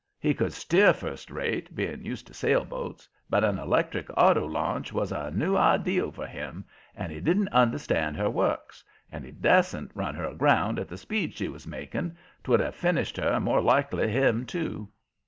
He could steer first rate, being used to sailboats, but an electric auto launch was a new ideal for him, and he didn't understand her works. And he dastn't run her aground at the speed she was making; 'twould have finished her and, more'n likely, him, too.